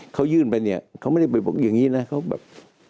เขายื่นไปเนี่ยเขาไม่ได้ไปบอกอย่างนี้นะเขาแบบ